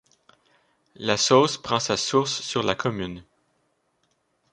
La Sausse prend sa source sur la commune.